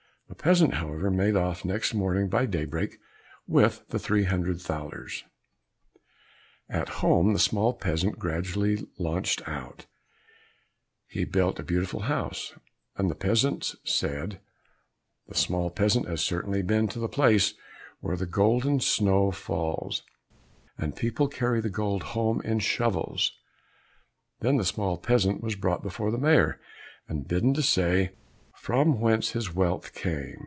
The peasant, however, made off next morning by daybreak with the three hundred thalers. At home the small peasant gradually launched out; he built a beautiful house, and the peasants said, "The small peasant has certainly been to the place where golden snow falls, and people carry the gold home in shovels." Then the small peasant was brought before the Mayor, and bidden to say from whence his wealth came.